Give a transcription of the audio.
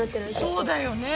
そうだよね！